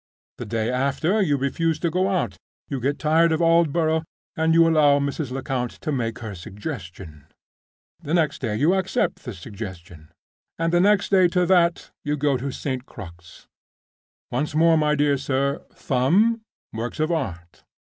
The day after you refuse to go out, you get tired of Aldborough, and you allow Mrs. Lecount to make her suggestion. The next day you accept the suggestion. And the next day to that you go to St. Crux. Once more, my dear sir! Thumb—works of Art.